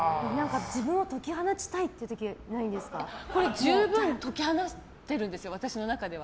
自分を解き放ちたいっていう時は十分解き放ってるんですよ